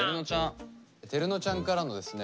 てるのちゃんからのですね